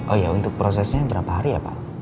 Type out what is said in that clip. oh ya untuk prosesnya berapa hari ya pak